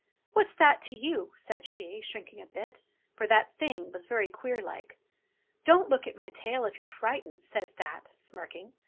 "What's that to you?" said she, shrinking a bit, for that Thing was very queer like. "Don't look at my tail if you're frightened," says That, smirking.